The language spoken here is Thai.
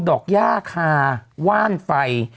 ดอกย่าคาว่านไฟ